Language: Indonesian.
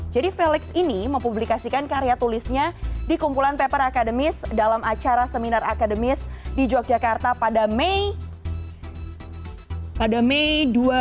jadi felix ini mempublikasikan karya tulisnya di kumpulan paper akademis dalam acara seminar akademis di yogyakarta pada mei dua ribu sebelas